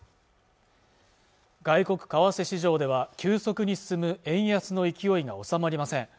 外国為替市場では急速に進む円安の勢いが収まりません